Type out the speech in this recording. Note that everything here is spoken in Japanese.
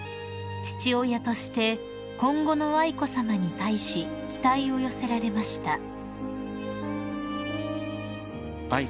［父親として今後の愛子さまに対し期待を寄せられました］